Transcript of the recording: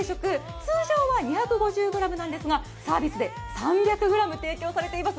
通常は２５０ｇなんですがサービスで３００ｇ提供されています。